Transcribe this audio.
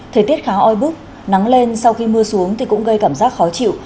thời tiết khá oi bức nắng lên sau khi mưa xuống thì cũng gây cảm giác khó chịu